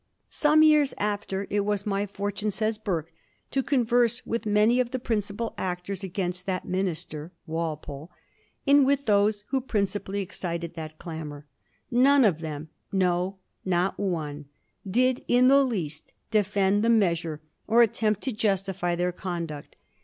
" Some years after it was my fortune," says Burke, " to converse with many of the principal actors against that minister (Walpole), and with those who prin cipally excited that clamor. None of them — no, not one — did in the least defend the measure or attempt to justify their conduct.